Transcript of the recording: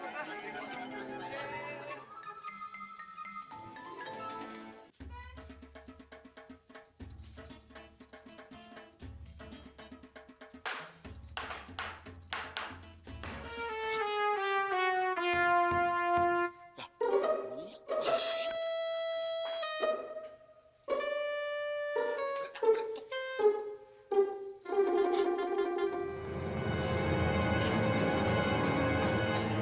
terima kasih pak ya